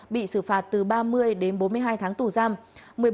bị xử phạt từ ba mươi đến bốn mươi hai tháng tù giam